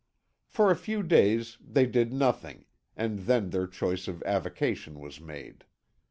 For a few days they did nothing, and then their choice of avocation was made.